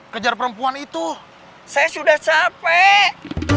kejar perempuan itu saya sudah capek